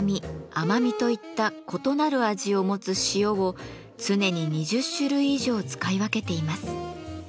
甘みといった異なる味を持つ塩を常に２０種類以上使い分けています。